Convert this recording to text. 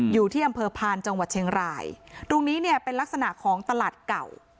อยู่ที่อำเภอพานจังหวัดเชียงรายตรงนี้เนี่ยเป็นลักษณะของตลาดเก่า